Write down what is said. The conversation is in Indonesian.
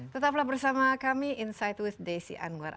tetaplah bersama kami insight with desi anwar